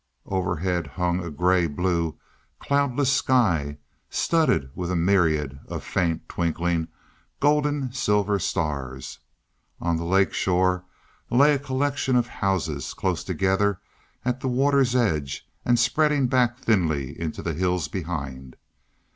Overhead hung a gray blue, cloudless sky, studded with a myriad of faint, twinkling, golden silver stars. On the lake shore lay a collection of houses, close together, at the water's edge and spreading back thinly into the hills behind.